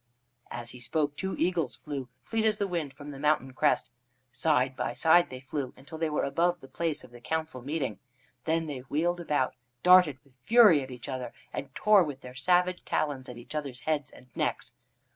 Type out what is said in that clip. As he spoke, two eagles flew, fleet as the wind, from the mountain crest. Side by side they flew until they were above the place of the council meeting. Then they wheeled about, darted with fury at each other, and tore with their savage talons at each other's heads and necks.